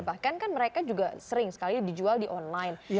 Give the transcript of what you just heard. bahkan kan mereka juga sering sekali dijual di online